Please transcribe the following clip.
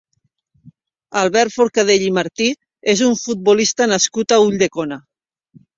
Albert Forcadell i Martí és un futbolista nascut a Ulldecona.